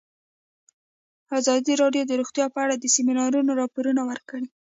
ازادي راډیو د روغتیا په اړه د سیمینارونو راپورونه ورکړي.